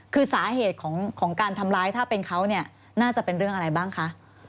คือสาเหตุของการทำร้ายถ้าเป็นเขาเนี่ยน่าจะเป็นเรื่องอะไรบ้างคะ